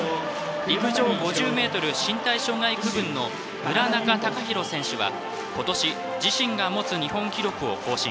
陸上５０ｍ身体障害区分の村中空寛選手は今年、自身が持つ日本記録を更新。